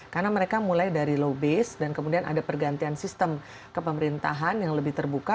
karena mereka mulai dari low base dan kemudian ada pergantian sistem kepemerintahan yang lebih terbuka